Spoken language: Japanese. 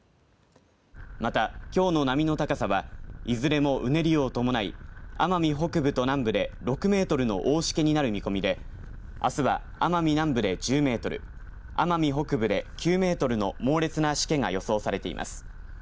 また、きょうの波の高さはいずれもうねりを伴い奄美北部と南部で６メートルの大しけになる見込みであすは奄美南部で１０メートル奄美北部で９メートルの猛烈なしけが予想されています。